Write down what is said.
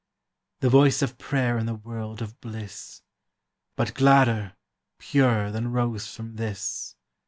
The voice of prayer in the world of bliss! But gladder, purer, than rose from this.